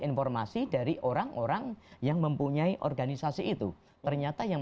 informasi dari orang orang yang mempunyai organisasi itu ternyata yang